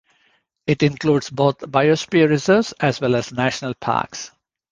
It includes both biosphere reserves as well as national parks.